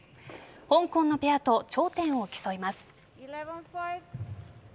香港のペアと頂点を競います。